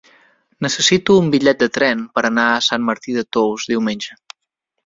Necessito un bitllet de tren per anar a Sant Martí de Tous diumenge.